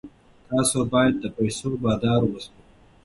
تاسو باید د پیسو بادار اوسئ.